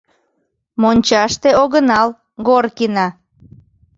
Мончаште огынал, Горкина!